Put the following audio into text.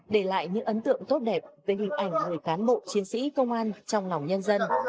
để lại những ấn tượng tốt đẹp về hình ảnh người cán bộ chiến sĩ công an trong lòng nhân dân